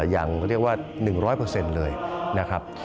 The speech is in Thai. อย่างเรียกว่า๑๐๐เลยนะครับ